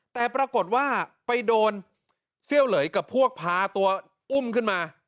แต่ปรากฏว่าไปโดนเซี่ยวเหลยกับพวกพาตัวอุ้มขึ้นมา